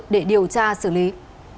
để điều tra xử lý